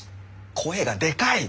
声がでかい！